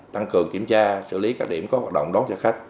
tăng cường kiểm tra xử lý các điểm có hoạt động đón trả khách